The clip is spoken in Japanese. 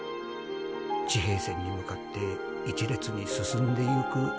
地平線に向かって１列に進んでいく。